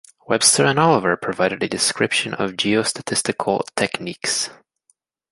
Webster and Oliver provided a description of geostatistical techniques.